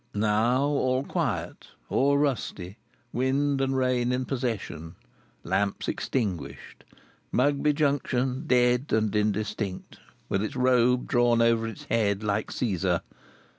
Now, all quiet, all rusty, wind and rain in possession, lamps extinguished, Mugby Junction dead and indistinct, with its robe drawn over its head, like Cæsar.